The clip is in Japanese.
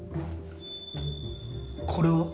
これは？